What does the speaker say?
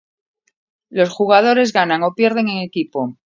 Los jugadores ganan o pierden en equipo.